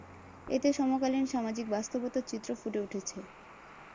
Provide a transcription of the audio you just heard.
এতে সমকালীন সামাজিক বাস্তবতার চিত্র ফুটে উঠেছে।